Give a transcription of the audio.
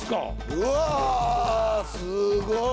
うわすごい！